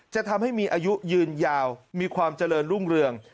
จะทำให้มีอายุยืนยาวมีความเจริญรุ่งเรือง